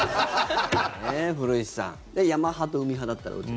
古市さん山派と海派だったらどっち？